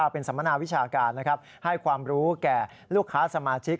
เป็นสัมมนาวิชาการนะครับให้ความรู้แก่ลูกค้าสมาชิก